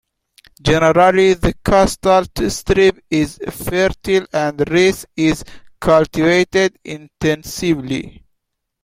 Generally the coastal strip is fertile and rice is cultivated intensively.